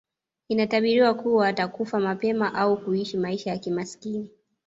Inatabiriwa kuwa atakufa mapema au kuishi maisha ya kimasikini